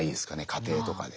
家庭とかで。